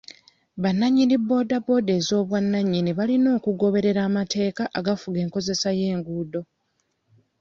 Bannannyini booda booda ez'obwannanyini balina okugoberera amateeka agafuga enkozesa y'enguuddo.